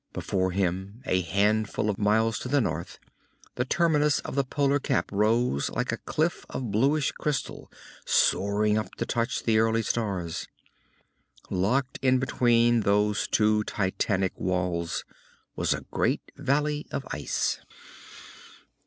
Before him, a handful of miles to the north, the terminus of the polar cap rose like a cliff of bluish crystal soaring up to touch the early stars. Locked in between those two titanic walls was a great valley of ice.